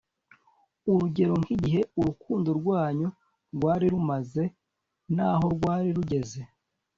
urugero nk’igihe urukundo rwanyu rwari rumaze n’aho rwari rugeze